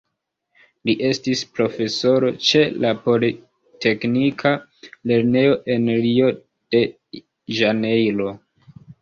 Li estis profesoro ĉe la Politeknika Lernejo en Rio-de-Ĵanejro.